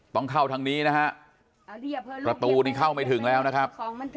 ต้องเข้าทางนี้นะฮะประตูนี้เข้าไม่ถึงแล้วนะครับ